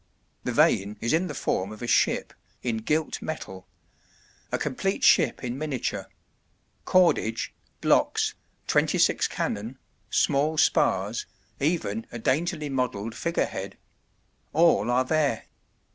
The vane is in the form of a ship, in gilt metal: a complete ship in miniature cordage, blocks, twenty six cannon, small spars, even a daintily modelled figurehead: all are there.